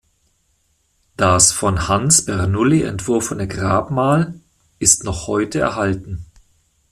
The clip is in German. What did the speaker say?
Das von Hans Bernoulli entworfene Grabmal ist noch heute erhalten.